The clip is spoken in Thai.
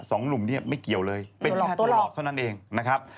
สองหนุ่มเนี่ยไม่เกี่ยวเลยเป็นแค่ถลอกเท่านั้นเองนะครับ